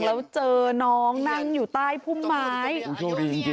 แล้วเจอน้องนั่งอยู่ใต้พุ่มไม้